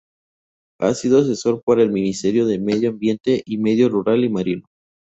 Ha sido asesor para el Ministerio de Medio Ambiente y Medio Rural y Marino.